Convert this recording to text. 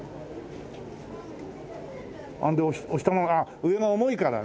で押したまま上が重いからね。